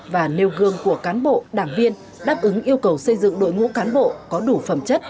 và nêu gương của cán bộ đảng viên đáp ứng yêu cầu xây dựng đội ngũ cán bộ có đủ phẩm chất